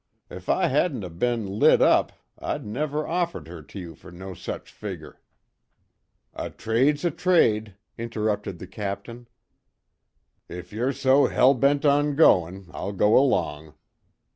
If I hadn't of b'n lit up I'd never offered her to you fer no such figger." "A trade's a trade," interrupted the Captain. "If yer so hell bent on goin', I'll go along."